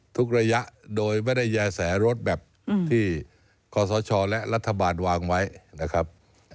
ระยะโดยไม่ได้แย่แสรถแบบที่ขอสชและรัฐบาลวางไว้นะครับ